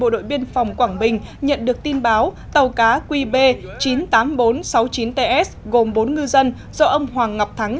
đội biên phòng quảng bình nhận được tin báo tàu cá qb chín mươi tám nghìn bốn trăm sáu mươi chín ts gồm bốn ngư dân do ông hoàng ngọc thắng